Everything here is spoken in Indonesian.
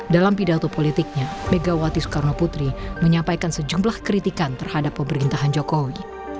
dalam pidato politiknya megawati soekarno putri menyampaikan sejumlah kritikan terhadap pemerintahan jokowi